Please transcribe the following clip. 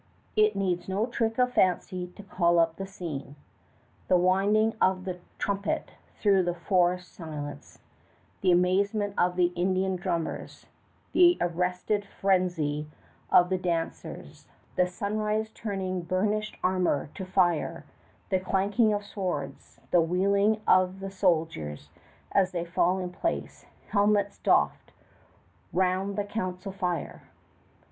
It needs no trick of fancy to call up the scene the winding of the trumpet through the forest silence, the amazement of the Indian drummers, the arrested frenzy of the dancers, the sunrise turning burnished armor to fire, the clanking of swords, the wheeling of the soldiers as they fall in place, helmets doffed, round the council fire!